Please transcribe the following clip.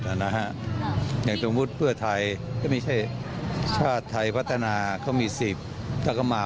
แต่ว่าที่ท่านคุมมานี้น่าจะได้เยอะอยู่กับกานครับ